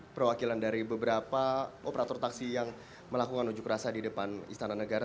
perwakilan dari beberapa operator taksi yang melakukan unjuk rasa di depan istana negara